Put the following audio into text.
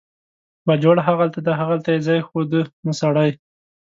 باجوړ هغلته دی، هغلته یې ځای ښوده، نه سړی.